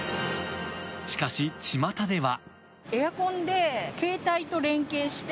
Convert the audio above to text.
しかし、ちまたでは。